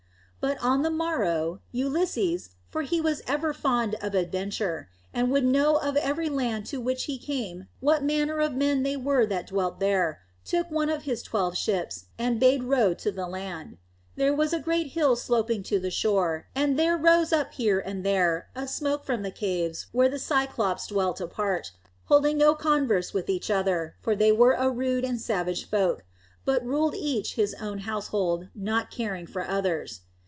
But on the morrow, Ulysses, for he was ever fond of adventure, and would know of every land to which he came what manner of men they were that dwelt there, took one of his twelve ships and bade row to the land. There was a great hill sloping to the shore, and there rose up here and there a smoke from the caves where the Cyclopes dwelt apart, holding no converse with each other, for they were a rude and savage folk, but ruled each his own household, not caring for others.